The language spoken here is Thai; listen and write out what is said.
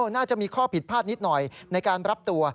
น่าจะมีข้อผิดพลาดนิดหน่อยในการรับตัว